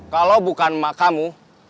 kalau bukan emak kamu